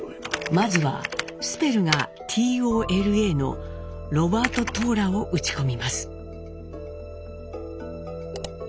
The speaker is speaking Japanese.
まずはスペルが「Ｔｏｌａ」のロバート・トーラを打ち込みます。